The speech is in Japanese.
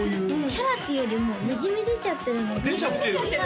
キャラっていうよりもにじみ出ちゃってるので出ちゃってる？